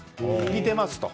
似てますと。